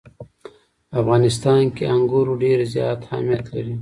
په افغانستان کې انګور ډېر زیات اهمیت لري.